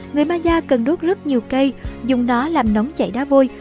người maya cần đốt rất nhiều cây dùng nó làm nóng chảy đá vôi